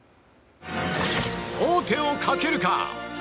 王手をかけるか！